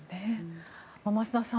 増田さん